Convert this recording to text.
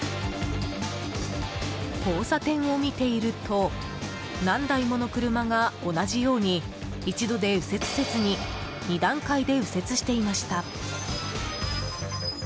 交差点を見ていると何台もの車が同じように一度で右折せずに二段階で右折していました。